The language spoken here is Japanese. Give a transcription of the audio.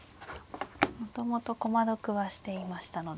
もともと駒得はしていましたので。